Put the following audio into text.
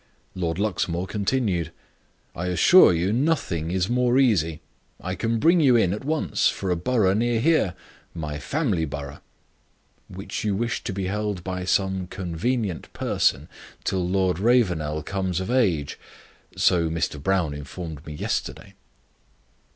Lord Luxmore continued. "I assure you nothing is more easy; I can bring you in at once, for a borough near here my family borough." "Which you wish to be held by some convenient person till Lord Ravenel comes of age? So Mr. Brown informed me yesterday."